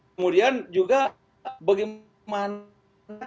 kemudian juga bagaimana